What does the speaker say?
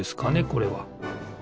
これは。